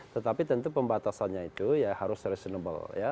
tetapi tentu pembatasannya itu harus reasonable